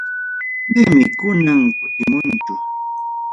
Maymi kunan kutimunchu.